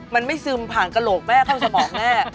มันไม่ซึมผ่านกระโหลกแม่เข้าสมองแม่